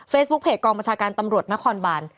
เฟซบุ๊คเพจกองประชาการตำรวจณคอนบาน